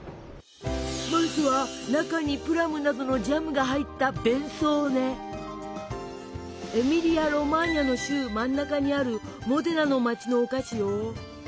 まずは中にプラムなどのジャムが入ったエミリア・ロマーニャの州真ん中にあるモデナの町のお菓子よ！